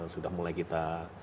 sudah mulai kita